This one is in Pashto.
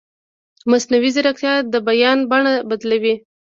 مصنوعي ځیرکتیا د بیان بڼه بدله کوي.